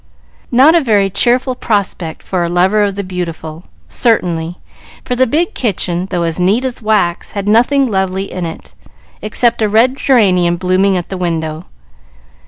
Not a very cheering prospect for a lover of the beautiful, certainly, for the big kitchen, though as neat as wax, had nothing lovely in it, except a red geranium blooming at the window.